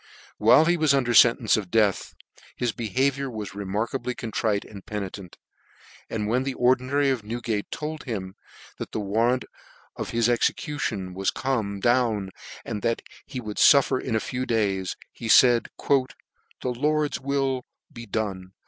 While he \vas under fentence of death, his be haviour was remarkably contrite and penitent; and when the Ordinary of Newgate told him; that the warrant for his execution was come down, and that he would luher in a few days, he faid, " The Lord's wiil be done